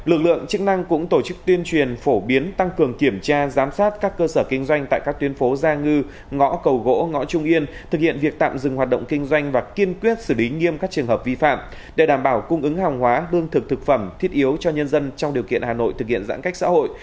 ủy ban nhân dân phường hàng bạc quận hoàn kiếm đã ra thông báo tạm dừng hoạt động kinh doanh tại các tuyến phố như gia ngư ngõ cầu gỗ ngõ trung yên chợ hàng bè cũ kể từ giờ ngày một mươi chín tháng tám năm hai nghìn hai mươi một cho đến khi có chỉ đạo mới của ủy ban nhân dân thành phố hà nội về thực hiện giãn cách xã hội